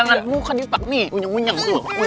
jangan muka dipak nih unyeng unyeng tuh